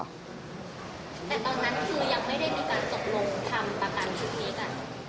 แต่ตอนนั้นคือยังไม่ได้มีการตกลงทำประกันชุดนี้กัน